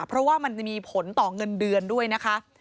เพราะว่ามันจะมีผลต่อเงินเดือนด้วยนะคะ